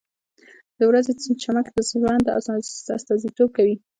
• د ورځې چمک د ژوند استازیتوب کوي.